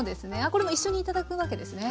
これも一緒に頂くわけですね。